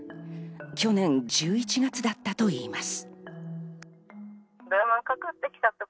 去年１１月だったといいます。